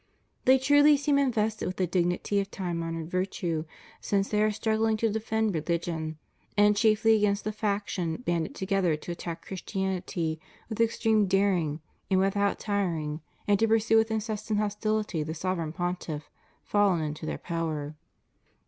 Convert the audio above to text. They truly seem invested with the dignity of time honored virtue, since they are struggling to defend rehgion, and chiefly against the faction banded together to attack Christianity with extreme daring and without tiring, and to pursue with incessant hostility the Sovereign Pontiff, fallen into their power.